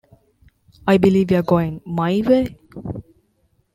"I believe you're going..."my" way?